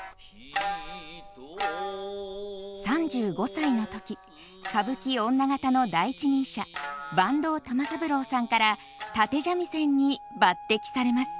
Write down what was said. ３５歳の時歌舞伎女方の第一人者坂東玉三郎さんから立三味線に抜擢されます。